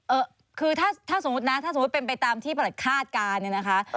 เอ่อคือถ้าถ้าสมมตินะถ้าสมมติเป็นไปตามที่ประหลักฆาตการณ์เนี้ยนะคะครับ